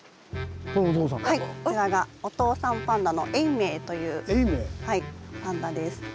はいこちらがお父さんパンダの永明というパンダです。